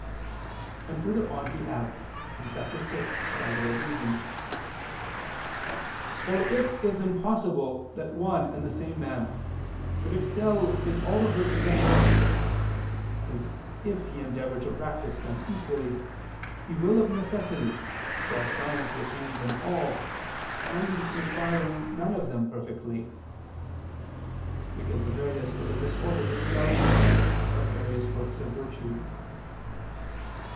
And further on he adds (cap. 6) by way of reason: "For it is impossible that one and the same man should excel in all the virtues at once, since if he endeavor to practice them equally, he will of necessity, while trying to attain them all, end in acquiring none of them perfectly": because the various religious orders excel in respect of various works of virtue.